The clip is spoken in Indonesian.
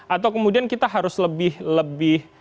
atau kemudian kita harus lebih